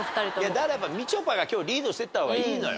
であればみちょぱが今日リードしていった方がいいのよ。